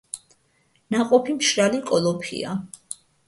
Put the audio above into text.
ნაყოფი მშრალი კოლოფია.